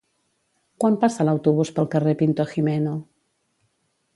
Quan passa l'autobús pel carrer Pintor Gimeno?